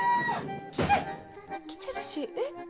来て来てるしえっ？